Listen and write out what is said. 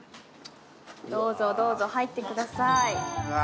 どうぞ、どうぞ入ってください。